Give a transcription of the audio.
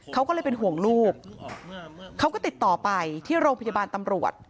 เขาก็เลยเป็นห่วงลูกเขาก็ติดต่อไปที่โรงพยาบาลตำรวจ